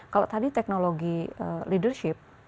kalau tadi teknologi leadership